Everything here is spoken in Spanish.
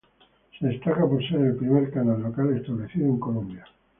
Se destaca por ser el primer canal local establecido en Colombia.